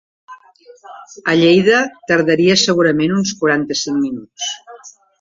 A Lleida tardaria segurament uns quaranta-cinc minuts.